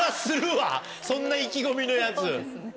そんな意気込みのヤツ。